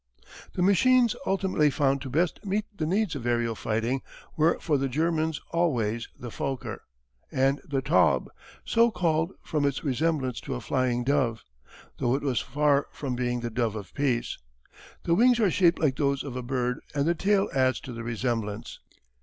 The machines ultimately found to best meet the needs of aërial fighting were for the Germans always the Fokker, and the Taube so called from its resemblance to a flying dove, though it was far from being the dove of peace. The wings are shaped like those of a bird and the tail adds to the resemblance.